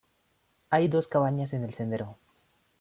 Hay dos cabañas en el sendero.